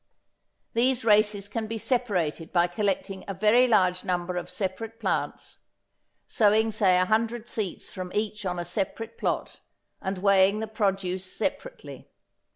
These races can be separated by collecting a very large number of separate plants, sowing say 100 seeds from each on a separate plot, and weighing the produce separately.